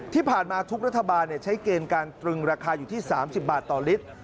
ที่ผ่านมาทุกรัฐบาลใช้เกณฑ์การตรึงราคาอยู่ที่๓๐บาทต่อลิตร